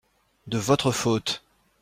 De votre faute.